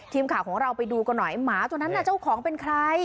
ทีมข่าวของเราไปดูกันหน่อยหมาตัวนั้นน่ะเจ้าของเป็นใคร